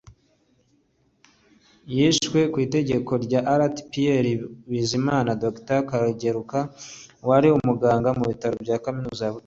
Yishwe ku itegeko rya Lt Pierre Bizimana na Dr Kageruka wari umuganga mu bitaro bya Kaminuza ya Butare.